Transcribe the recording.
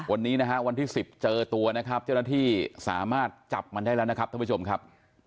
วันนี้นะฮะวันที่๑๐เจอตัวนะครับเจ้าหน้าที่สามารถจับมันได้แล้วนะครับท่านผู้ชมครับ